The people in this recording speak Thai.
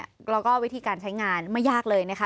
แล้วก็วิธีการใช้งานไม่ยากเลยนะคะ